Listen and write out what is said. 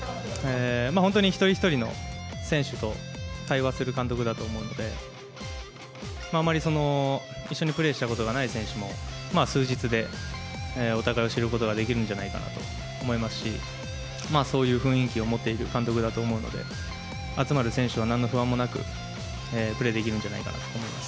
本当に一人一人の選手と対話する監督だと思うので、あまり、一緒にプレーしたことがない選手も、数日でお互いを知ることができるんじゃないかなと思いますし、そういう雰囲気を持っている監督だと思うので、集まる選手はなんの不安もなくプレーできるんじゃないかなと思います。